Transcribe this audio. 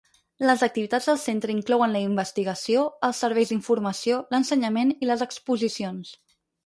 Les activitats del centre inclouen la investigació, els serveis d'informació, l'ensenyament i les exposicions.